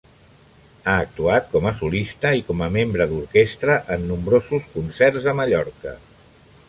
Ha actuat com a solista i com a membre d'orquestra en nombrosos concerts a Mallorca.